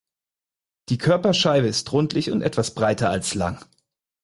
Die Körperscheibe ist rundlich und etwas breiter als lang.